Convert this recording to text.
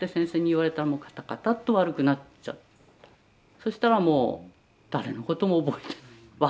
そしたらもう誰のことも覚えてない。